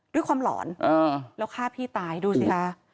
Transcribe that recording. ด้วยความหลอนแล้วฆ่าพี่ตายดูสิคะ